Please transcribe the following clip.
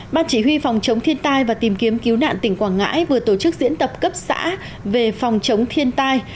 ban chỉ huy phòng chống thiên tai và tìm kiếm cứu nạn tỉnh quảng ngãi vừa tổ chức diễn tập cấp xã về phòng chống thiên tai